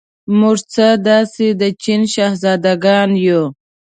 موږ څه داسې د چین شهزادګان یو.